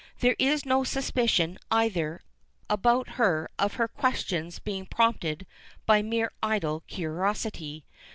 There is no suspicion, either, about her of her questions being prompted by mere idle curiosity.